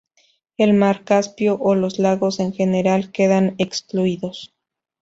El mar Caspio o los lagos en general quedan excluidos.